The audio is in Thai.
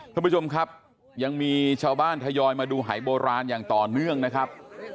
ท่านผู้ชมครับยังมีชาวบ้านทยอยมาดูหายโบราณอย่างต่อเนื่องนะครับ